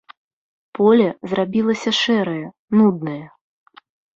Поле зрабілася шэрае, нуднае.